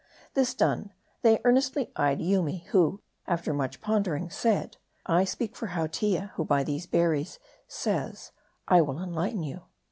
This done, they earnestly eyed Yoomy ; who, after much pondering, said " I speak for Hautia ; who by these ber ries says, I will enlighten you."